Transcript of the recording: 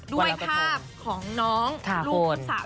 ด้วยภาพของน้องลูกลูกสาว